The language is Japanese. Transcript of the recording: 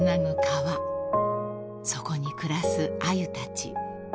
［そこに暮らすアユたち］